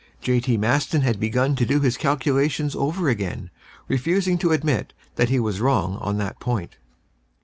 J.T. Maston had begun to do his calculations over again, refusing to admit that he was wrong at that point.